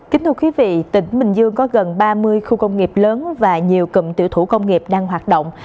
kính thưa quý vị tỉnh bình dương có gần ba mươi khu công nghiệp lớn và nhiều cụm tiểu thủ công nghiệp đang hoạt động